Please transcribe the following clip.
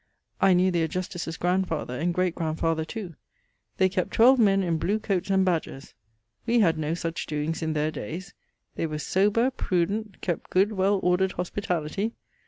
I knew their Justice's grandfather and great grandfather too. kept 12 men in blew coates and badges. We had no such doings in their daies. They were sober, prudent; kept good well ordered hospitality.